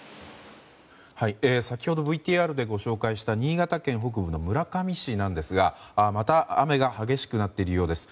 先ほどＶＴＲでご紹介した新潟県北部の村上市ですがまた雨が激しくなっているようです。